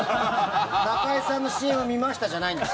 中居さんのＣＭ見ましたじゃないんです。